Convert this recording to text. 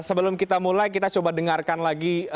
sebelum kita mulai kita coba dengarkan lagi